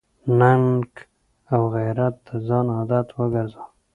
ننګ او غیرت د ځان عادت وګرځوه.